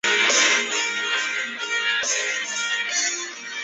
护城河周一千五百九十一丈五尺。